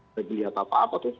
nggak dilihat apa apa tuh